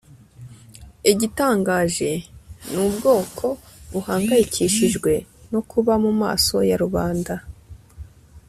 igitangaje, ni ubwoko buhangayikishijwe no kuba mumaso ya rubanda